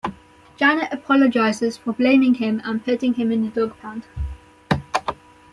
Janet apologizes for blaming him and putting him in the dog pound.